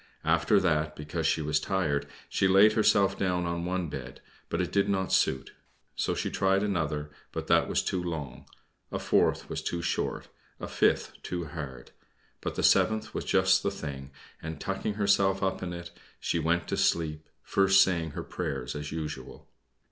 After that, because she was so tired, she laid herself down on one bed, but it did not suit; she tried another, but that was too long; a fourth was too short, a fifth too hard. But the seventh was just the thing; and tucking herself up in it, she went to sleep, first saying her prayers as usual.